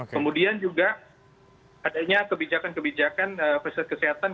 kemudian juga adanya kebijakan kebijakan fasilitas kesehatan